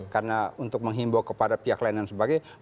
karena untuk menghimbau kepada pihak lain dan sebagainya